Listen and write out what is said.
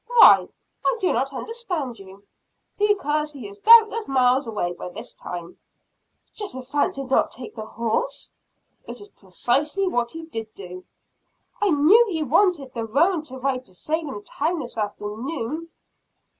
"Why? I do not understand you." "Because he is doubtless miles away by this time." "Jehosaphat did not take the horse!" "It is precisely what he did do." "He knew I wanted the roan to ride to Salem town this afternoon."